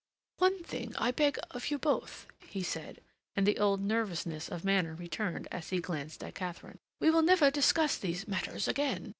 "One thing I beg of you both," he said, and the old nervousness of manner returned as he glanced at Katharine. "We will never discuss these matters again.